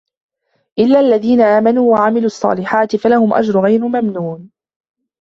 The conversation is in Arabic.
إلا الذين آمنوا وعملوا الصالحات فلهم أجر غير ممنون